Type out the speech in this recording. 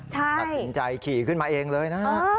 ตัดสินใจขี่ขึ้นมาเองเลยนะฮะ